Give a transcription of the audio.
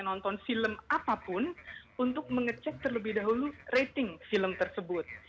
nonton film apapun untuk mengecek terlebih dahulu rating film tersebut